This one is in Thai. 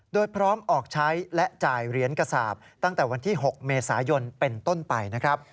โดยพร้อมออกใช้และจ่ายเหรียญกระสาปตั้งแต่วันที่๖เมษายนเป็นต้นไปนะครับ